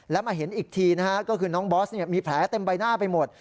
แล้วมาเห็นอีกทีนะฮะก็คือน้องบอสมีแผลเต็มใบหน้าไปหมด